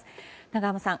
永濱さん